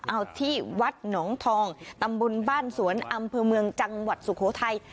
เอาที่วัดหนองทองตำบลบ้านสวนอำเภอเมืองจังหวัดสุโขทัย